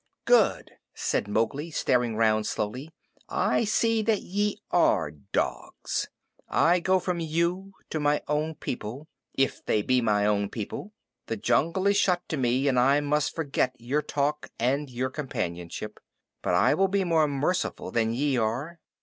"Good!" said Mowgli, staring round slowly. "I see that ye are dogs. I go from you to my own people if they be my own people. The jungle is shut to me, and I must forget your talk and your companionship. But I will be more merciful than ye are.